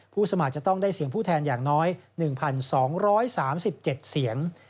สมัครจะต้องได้เสียงผู้แทนอย่างน้อย๑๒๓๗เสียง